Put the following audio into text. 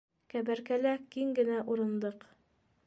Кәбәркәлә киң генә урындыҡ.